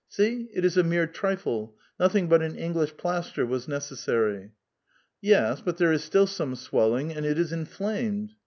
See, it is a mere trifle ; nothing but an English plaster was necessary." '• Yes ; but there is still some swelling, and it is inflamed."